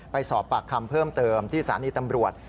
ไปสอบปากคำเพิ่มเติมที่สถานีตำรวจ